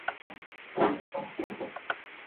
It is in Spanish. Se caracterizaba por estar altamente cromada.